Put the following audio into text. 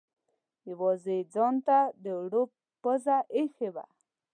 یوازې یې ځانته د اوړو پزه اېښې وه.